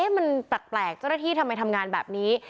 มันแปลกเจ้าหน้าที่ทำไมทำงานแบบนี้